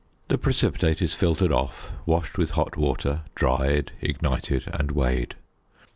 The precipitate is filtered off, washed with hot water, dried, ignited, and weighed.